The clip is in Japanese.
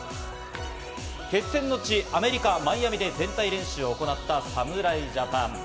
決戦の地、アメリカ・マイアミで全体練習を行った侍ジャパン。